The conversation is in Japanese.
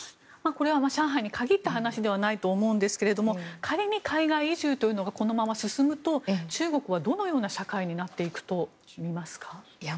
これは上海に限った話ではないと思うんですが仮に海外移住というのがこのまま進むと中国はどのような社会になっていくと見ますか。